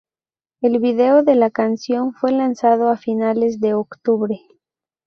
El video de la canción fue lanzado a finales de octubre.